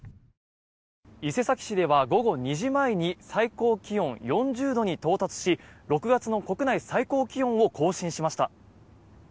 伊勢崎市では午後２時前に最高気温４０度に到達し６月の国内最高気温を更新しました。